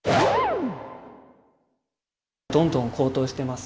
どんどん高騰してます。